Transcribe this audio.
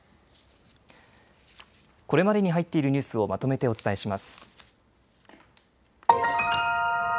これまでに入っているニュースをまとめてお伝えします。